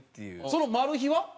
そのマル秘は？